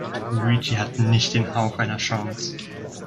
Luigi hat nicht den Hauch einer Chance.